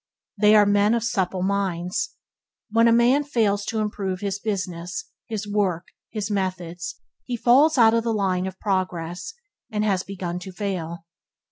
They are men of supple minds. When a man fails to improve his business, his work, his methods, he falls out of the line of progress, and has begun to fail.